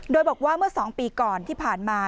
โดยบอกว่าเมื่อ๒ปีก่อนที่ผ่านมา